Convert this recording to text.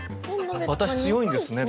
「私強いんですね」。